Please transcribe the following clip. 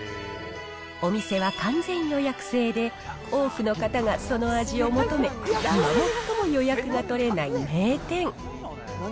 お店は完全予約制で、多くの方がその味を求め、今最も予約が取れない名店。